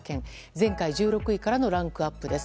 前回、１６位からのランクアップです。